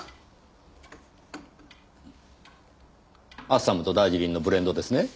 アッサムとダージリンのブレンドですね？